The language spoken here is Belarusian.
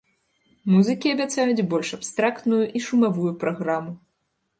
Музыкі абяцаюць больш абстрактную і шумавую праграму.